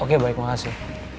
oke baik makasih